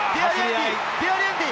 デアリエンディ！